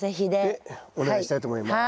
でお願いしたいと思います。